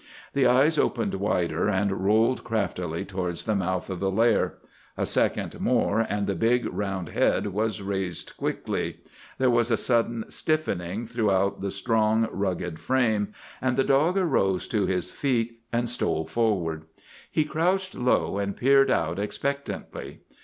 The eyes opened wider, and rolled craftily towards the mouth of the lair. A second more, and the big, round head was raised quickly. There was a sudden stiffening throughout the strong, rugged frame, and the dog arose to his feet and stole forward. He crouched low, and peered out expectantly.